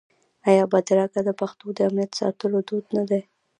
آیا بدرګه د پښتنو د امنیت ساتلو دود نه دی؟